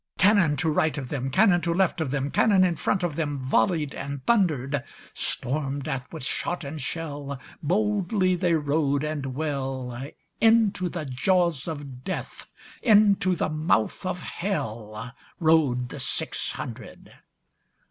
Cannon to right of them, Cannon to left of them, Cannon in front of themVolley'd and thunder'd; Storm'd at with shot and shell, Boldly they rode and well, Into the jaws of Death, Into the mouth of HellRode the six hundred.